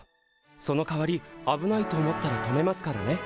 そのかわり危ないと思ったら止めますからね。